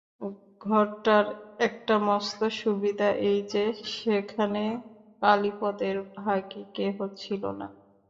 ঘরটার একটা মস্ত সুবিধা এই যে, সেখানে কালীপদর ভাগী কেহ ছিল না।